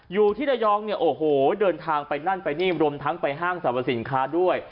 อยู่ที่ระยองเนี่ยโอ้โหเดินทางไปนั่นไปนี่รวมทั้งไปห้างสรรพสินค้าด้วย